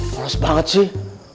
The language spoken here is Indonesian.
males banget sih